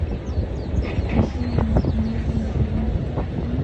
عشر ورکول حاصلات پاکوي.